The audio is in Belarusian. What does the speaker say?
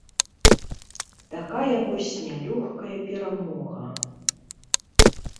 Такая вось нялёгкая перамога.